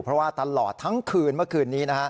เพราะว่าตลอดทั้งคืนเมื่อคืนนี้